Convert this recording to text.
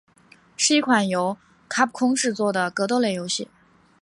是一款由卡普空制作的格斗类游戏。